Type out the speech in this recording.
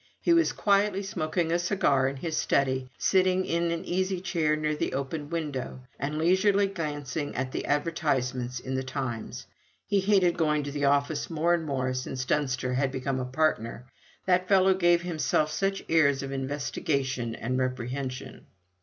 He was quietly smoking a cigar in his study, sitting in an easy chair near the open window, and leisurely glancing at all the advertisements in The Times. He hated going to the office more and more since Dunster had become a partner; that fellow gave himself such airs of investigation and reprehension.